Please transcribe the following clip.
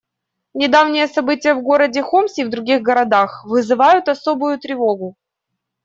Недавние события в городе Хомс и в других городах вызывают особую тревогу.